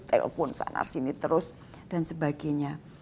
telpon sana sini terus dan sebagainya